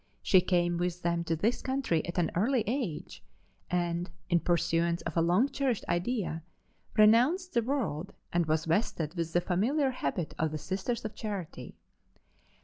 She came with them to this country at an early age, and, in pursuance of a long cherished idea, renounced the world and was vested with the familiar habit of the Sisters of Charity.